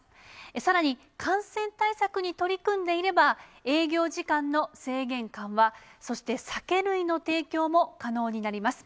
さらに、感染対策に取り組んでいれば、営業時間の制限緩和、そして酒類の提供も可能になります。